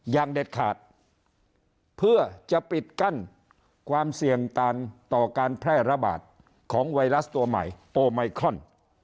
อย่างเด็ดขาดเพื่อจะปิดกั้นความเสี่ยงต่างต่อการแพร่ระบาดของไวรัสตัวใหม่โอไมครอน